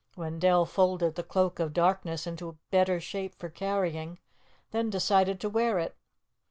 Wendell folded the Cloak of Darkness into a better shape for carrying, then decided to wear it.